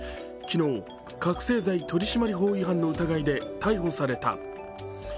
昨日、覚醒剤取締法違反の疑いで逮捕された。